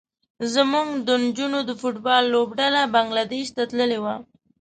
زموږ د نجونو د فټ بال لوبډله بنګلادیش ته تللې وه.